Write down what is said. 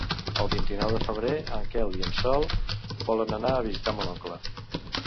El vint-i-nou de febrer en Quel i en Sol volen anar a visitar mon oncle.